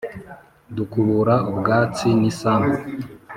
dukubura ubwatsi n’isambu,